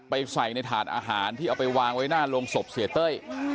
ใส่ในถาดอาหารที่เอาไปวางไว้หน้าโรงศพเสียเต้ย